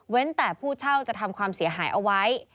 แต่ผู้เช่าจะทำความเสียหายเอาไว้